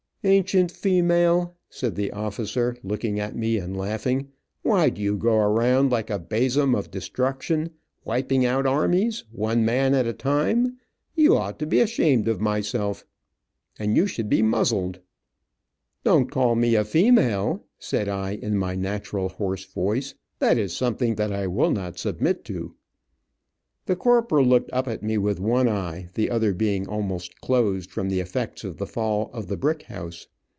"Ancient female," said the officer, looking at me and laughing, "why do you go around like a besum of destruction, wiping out armies, one man at a time. You ought to be ashamed of myself, and you should be muzzled. "Don't call me a female," said I, in my natural hoarse voice. "That is something that I will not submit to." The corporal looked up at me with one eye, the other being almost closed from the effects of the fall of the brick house.